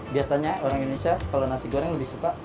biasanya orang indonesia kalau nasi goreng lebih suka